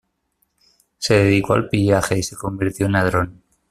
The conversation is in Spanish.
Se dedicó al pillaje y se convirtió en ladrón.